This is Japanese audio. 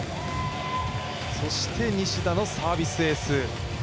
西田のサービスエース。